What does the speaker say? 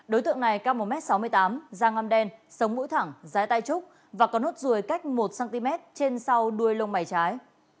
đối tượng này cao một m sáu mươi tám da ngâm đen sống mũi thẳng rai tay trúc và có nốt ruồi cách một cm trên sau đuôi lông mày trái